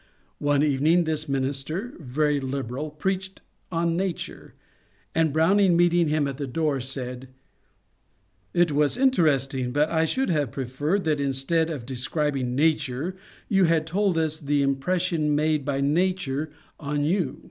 One evening this minister, very liberal, preached on nature, and Browning meeting him at the door said, ^^ It was interesting, but I should have preferred that instead of de scribing nature you had told us the impression made by nature on you."